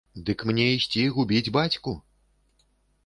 Дык мне ісці губіць бацьку?